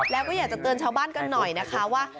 แล้วก็อยากจะเตือนชาวบ้านกันหน่อยนะคะว่า